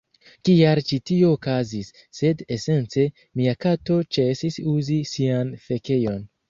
kial ĉi tio okazis, sed esence mia kato ĉesis uzi sian fekejon